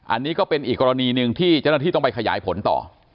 อันนี้ก็เป็นอีกกรณีหนึ่งที่เจ้าหน้าที่ต้องไปขยายผลต่อ